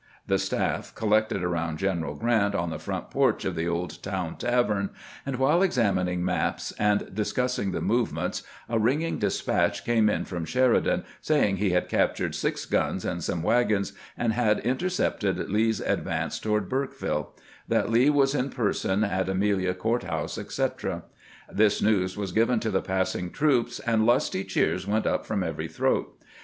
The staff collected around General Grant on the front porch of the old town tavern, and while examining maps and discussing the movements a ringing despatch came in from Sheri 454 CAMPAIGNING WITH GEANT dan saying he had captured six guns and some wagons, and had intercepted Lee's advance toward Burkeville ; that Lee was in person at Amelia Court house, etc. This news was given to the passing troops, and lusty cheers went up from every throat.